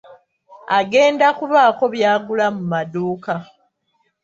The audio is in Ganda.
Agenda kubaako by'agula mu maduuka.